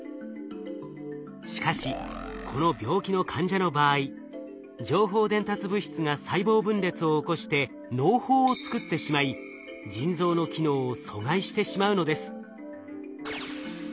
しかしこの病気の患者の場合情報伝達物質が細胞分裂を起こして嚢胞を作ってしまい腎臓の機能を阻害してしまうのです。